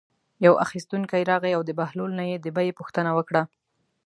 یو اخیستونکی راغی او د بهلول نه یې د بیې پوښتنه وکړه.